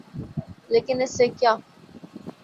لیکن اس سے کیا؟